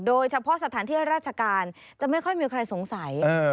โดยเฉพาะสถานที่ราชการจะไม่ค่อยมีใครสงสัย